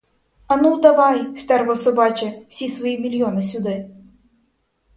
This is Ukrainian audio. Ану, давай, стерво собаче, усі свої мільйони сюди.